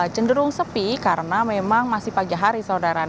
cenderung sepi karena memang masih pagi hari saudara